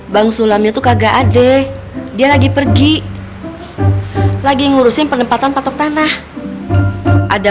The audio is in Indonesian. bang sulam itu kakak ade dia lagi pergi lagi ngurusin penempatan patok tanah ada